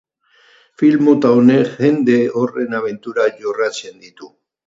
Film mota honek jende horren abenturak jorratzen ditu.